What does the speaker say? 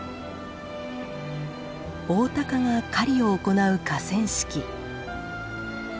オオタカが狩りを行う河川敷。